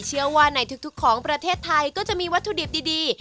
เชื่อว่าในทุกของประเทศไทยก็จะมีวัตถุดิบดี